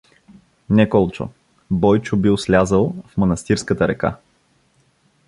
— Не, Колчо, Бойчо бил слязъл в Манастирската река.